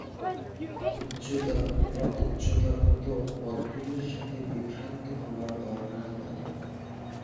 উচ্চতা বা উচ্চতার মতো পদগুলির সাথে বিভ্রান্ত হওয়ার দরকার নেই।